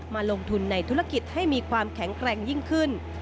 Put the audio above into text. มาลงทุนในธุรกิจให้มีความแข็งแกร่งยิ่งขึ้น